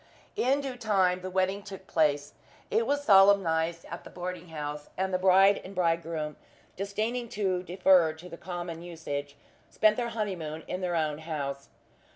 In due time the wedding took place. It was solemnized at the boarding house; and the bride and bridegroom disdaining to defer to the common usage, spent their honeymoon in their own house.